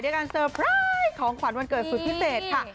การเซอร์ไพรส์ของขวัญวันเกิดสุดพิเศษค่ะ